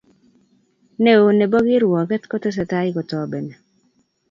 Neo nebo kirwoket kotesetai kotobeni,